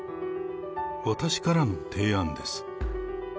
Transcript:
私からの提案です。